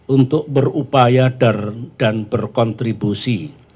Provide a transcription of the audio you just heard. untuk berupaya dan berkontribusi